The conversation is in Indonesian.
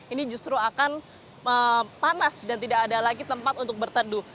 ini justru akan panas dan tidak ada lagi tempat untuk berteduh